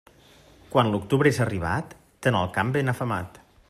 Quan l'octubre és arribat, ten el camp ben afemat.